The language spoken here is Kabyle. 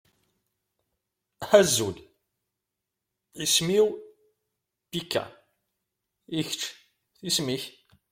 Azul! Isem-iw Pecca. I kečč, isem-ik?